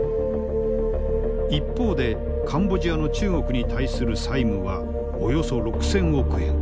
一方でカンボジアの中国に対する債務はおよそ６，０００億円。